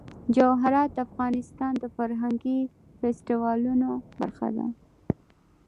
جواهرات د افغانستان د فرهنګي فستیوالونو برخه ده.